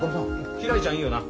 ひらりちゃんいいよな？